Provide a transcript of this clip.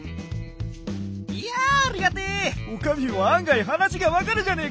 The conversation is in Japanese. いやあありがてえ！